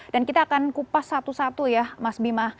dan kita akan kupas satu satu ya mas bima